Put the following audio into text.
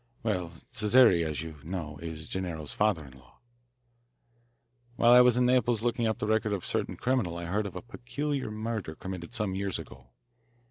Well, Cesare, as you know, is Gennaro's father in law. "While I was in Naples looking up the record of a certain criminal I heard of a peculiar murder committed some years ago.